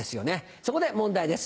そこで問題です